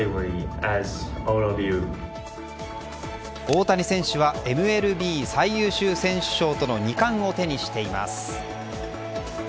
大谷選手はＭＬＢ最優秀選手賞との２冠を手にしています。